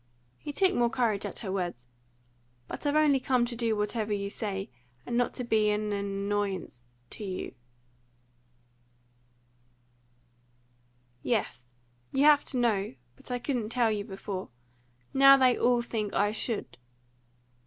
He took more courage at her words. "But I've only come to do whatever you say, and not to be an annoyance to you " "Yes, you have to know; but I couldn't tell you before. Now they all think I should."